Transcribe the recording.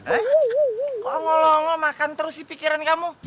kok ongol ongol makan terus sih pikiran kamu